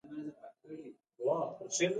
پر فنري څوکۍ کېناست، له ګوتو یې ټکاری وایست.